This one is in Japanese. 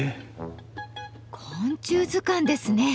昆虫図鑑ですね。